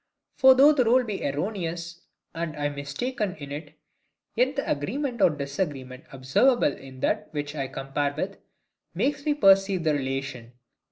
For though the rule be erroneous, and I mistaken in it; yet the agreement or disagreement observable in that which I compare with, makes me perceive the relation.